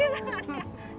dan dengan merek luka terburuk